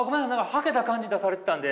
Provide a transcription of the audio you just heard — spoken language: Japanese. はけた感じ出されてたんで。